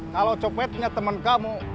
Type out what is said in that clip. kalau copetnya temen kamu